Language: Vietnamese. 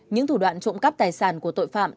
những thủ đoạn trộm cắp tài sản của tội phạm